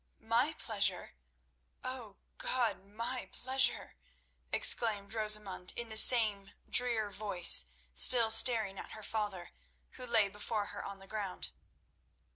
"My pleasure? Oh, God, my pleasure?" exclaimed Rosamund in the same drear voice, still staring at her father, who lay before her on the ground.